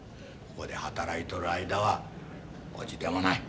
ここで働いとる間は伯父でもない。